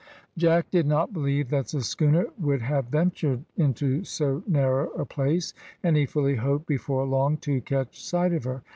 Jack did not believe that the schooner would have ventured into so narrow a place, and he fully hoped before long to catch sight of her.